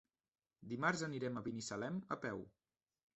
Dimarts anirem a Binissalem a peu.